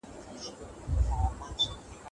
کمپيوټر وخت خوندي کوي.